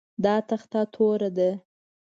دا تخته توره ده